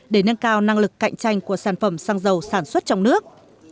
để nâng cao năng lực cạnh tranh của sản phẩm xăng dầu sản xuất trong nước